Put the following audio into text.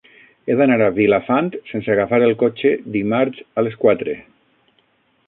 He d'anar a Vilafant sense agafar el cotxe dimarts a les quatre.